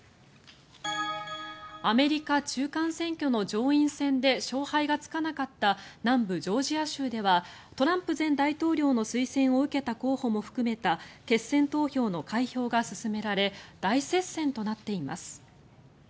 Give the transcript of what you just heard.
アメリカ中間選挙の上院選で勝敗がつかなかった南部ジョージア州ではトランプ前大統領の推薦を受けた候補も含めた決選投票の開票が進められ大接戦となっています。